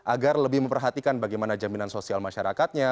agar lebih memperhatikan bagaimana jaminan sosial masyarakatnya